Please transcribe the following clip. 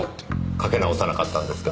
かけ直さなかったんですか？